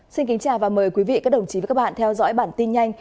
xin kính chào và mời quý vị các đồng chí và các bạn theo dõi bản tin nhanh